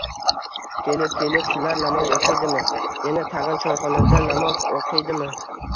Kelib-kelib, shular namoz o‘qiydimi? Yana-tag‘in, choyxonada namoz o‘qiydimi?